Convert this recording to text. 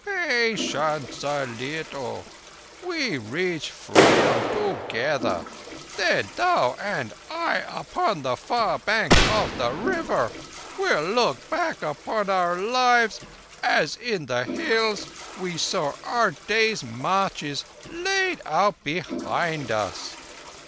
"Patience a little! We reach Freedom together. Then thou and I, upon the far bank of the River, will look back upon our lives as in the Hills we saw our days' marches laid out behind us.